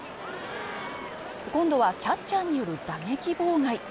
今度はキャッチャーによる打撃妨害